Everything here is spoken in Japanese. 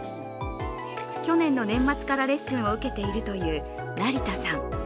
去年の年末からレッスンを受けているという成田さん。